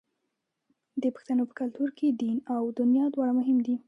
د پښتنو په کلتور کې دین او دنیا دواړه مهم دي.